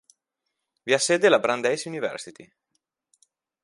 Vi ha sede la Brandeis University.